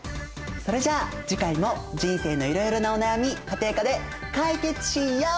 それじゃあ次回も人生のいろいろなお悩み家庭科で解決しよう！